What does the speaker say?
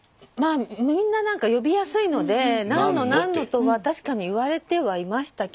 みんな何か呼びやすいのでナンノナンノとは確かに言われてはいましたけど。